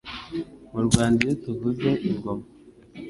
Mu Rwanda Iyo tuvuze ingoma